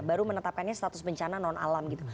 baru menetapkannya status bencana non alam gitu